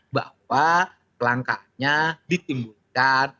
bahwa langkahnya ditimbulkan